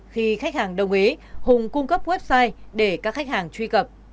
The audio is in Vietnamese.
khi khách hàng đồng ý hùng cung cấp website để các khách hàng truy cập